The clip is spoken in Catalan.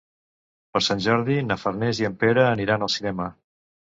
Per Sant Jordi na Farners i en Pere aniran al cinema.